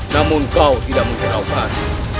namun kau tidak mungkin rauhkan